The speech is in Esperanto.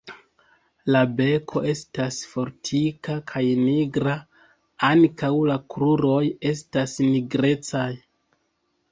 La beko estas fortika kaj nigra; ankaŭ la kruroj estas nigrecaj.